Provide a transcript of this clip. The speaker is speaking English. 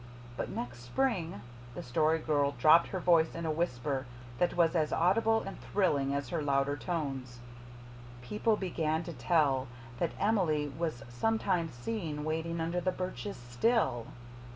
But next spring" the Story Girl dropped her voice to a whisper that was as audible and thrilling as her louder tones "people began to tell that Emily was sometimes seen waiting under the birches still.